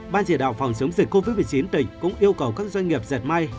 ban chỉ đạo phòng chống dịch covid một mươi chín tỉnh cũng yêu cầu các doanh nghiệp dệt may